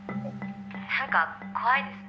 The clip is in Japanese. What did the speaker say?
「何か怖いですね」